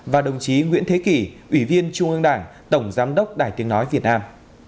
và đồng chí nguyễn thế kỷ ủy viên trung ương đảng tổng giám đốc đài tiếng nói việt nam